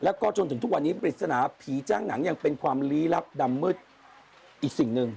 แล้วก็จนถึงทุกวันนี้ปริศนาผีจ้างหนังยังเป็นความลี้ลับดำมืดอีกสิ่งหนึ่ง